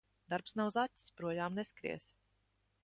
Darbs nav zaķis – projām neskries.